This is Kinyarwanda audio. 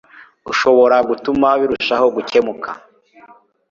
ushobora gutuma birushaho gukemuka